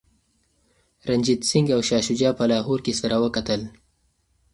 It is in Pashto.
رنجیت سنګ او شاه شجاع په لاهور کي سره وکتل.